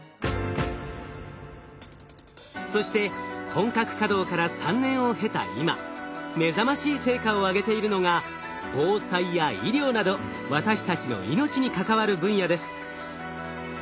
そして本格稼働から３年を経た今目覚ましい成果をあげているのが防災や医療など私たちの命に関わる分野です。